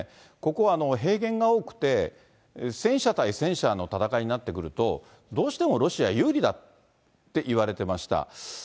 ここは平原が多くて、戦車対戦車の戦いになってくると、どうしてもロシア有利だっていわれてました。